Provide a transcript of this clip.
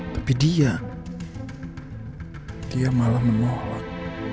tapi dia dia malah menolak